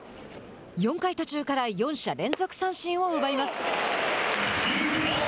４回途中から４者連続三振を奪います。